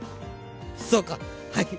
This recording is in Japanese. そうか。